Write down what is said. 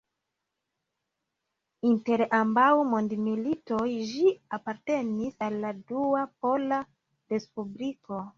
Inter ambaŭ mondmilitoj ĝi apartenis al la Dua Pola Respubliko.